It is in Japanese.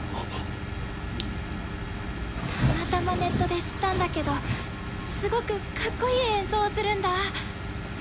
たまたまネットで知ったんだけどすごくかっこいい演奏をするんだ。